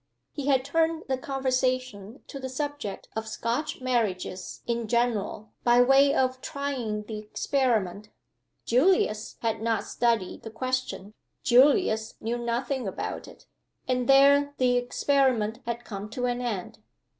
He had turned the conversation to the subject of Scotch marriages in general by way of trying the experiment. Julius had not studied the question; Julius knew nothing about it; and there the experiment had come to an end.